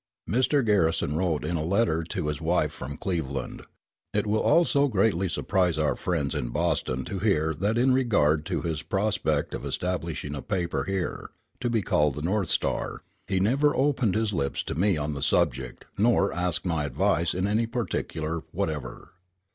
Mr. Garrison wrote in a letter to his wife from Cleveland, "It will also greatly surprise our friends in Boston to hear that in regard to his prospect of establishing a paper here, to be called the North Star, he never opened his lips to me on the subject nor asked my advice in any particular whatever."